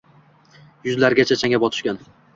Yuzlarigacha changga botishgan